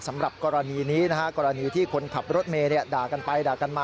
สำหรับกรณีนี้นะฮะกรณีที่คนขับรถเมสด่ากันไป